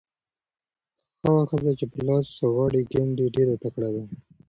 هغه ښځه چې په لاس غاړې ګنډي ډېره تکړه ده.